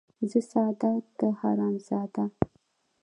ـ زه ساده ،ته حرام زاده.